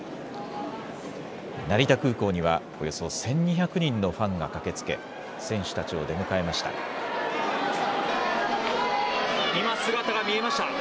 成田空港には、およそ１２００人のファンが駆けつけ、今、姿が見えました。